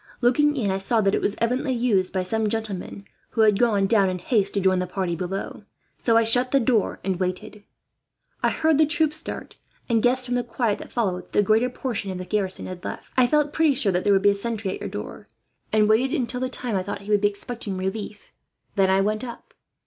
Looking in, I saw that it was evidently used by some gentlemen who had gone down, in haste, to join the party below; so I shut the door and waited. I heard the troops start and guessed, from the quiet that followed, that the greater portion of the garrison had left. "I felt pretty sure that there would be a sentry at your door, and waited until the time I thought he would be expecting a relief. Then I went up.